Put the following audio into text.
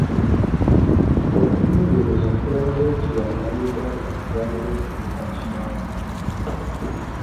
Okunoonyereza kulaze nti bannayuganda tebanneetegeka kimala.